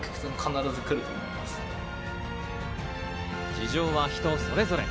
事情は人それぞれ。